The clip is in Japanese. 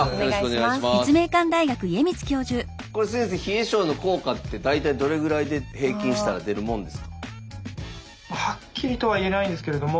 これ先生冷え症の効果って大体どれくらいで平均したら出るもんですか？